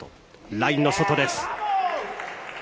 ラインの外です。